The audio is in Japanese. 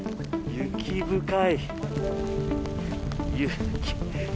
雪深い。